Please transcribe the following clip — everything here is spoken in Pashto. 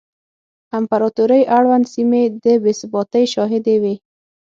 امپراتورۍ اړونده سیمې د بې ثباتۍ شاهدې وې